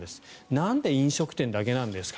なんで飲食店だけなんですか